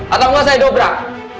atau enggak saya dobrak